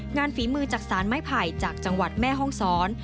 งานฝีมือจักษาไม้ไผ่จังหวัดแม่ฮองซ้อน